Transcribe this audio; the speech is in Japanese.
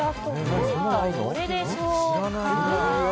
どれでしょうか。